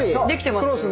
できてます？